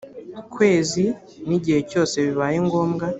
kwezi n igihe cyose bibaye ngombwa